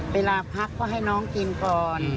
เวลาพักก็ให้น้องกินก่อน